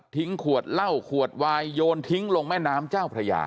ขวดเหล้าขวดวายโยนทิ้งลงแม่น้ำเจ้าพระยา